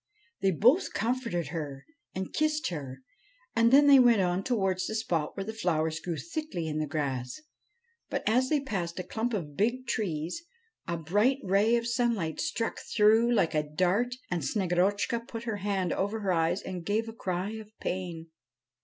They both comforted her and kissed her, and then they went on towards the spot where the flowers grew thickly in the grass. But, as they passed a clump of big trees, a bright ray of sunlight struck through like a dart and Snegorotchka put her hand over her eyes and gave a cry of pain.